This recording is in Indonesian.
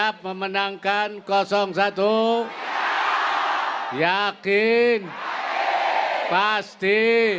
pertemuan yang kau berkati